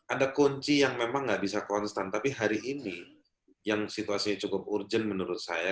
ada kunci yang memang nggak bisa konstan tapi hari ini yang situasinya cukup urgent menurut saya